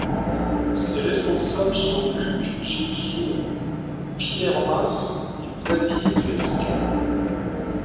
Ses responsables sont Luc Gellusseau, Pierre Mas et Xavier de Lesquen.